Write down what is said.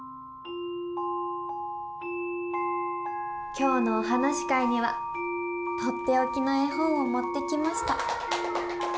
今日のおはなし会には取って置きの絵本を持ってきました。